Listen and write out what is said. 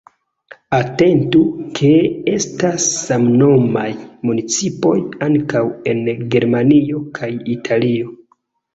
Atentu, ke estas samnomaj municipoj ankaŭ en Germanio kaj Italio.